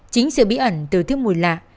chính sự bí ẩn từ thứ mùi lạ